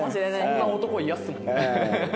そんな男嫌っすもんね。